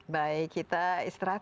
baik kita istirahat